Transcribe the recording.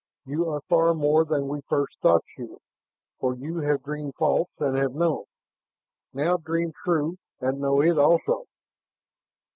You are far more than we first thought you, for you have dreamed false and have known. Now dream true, and know it also."